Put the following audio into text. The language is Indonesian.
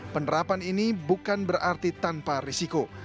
penerapan ini bukan berarti tanpa risiko